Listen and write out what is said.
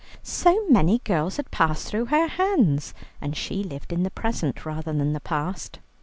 So many girls had passed through her hands, and she lived in the present rather than the past.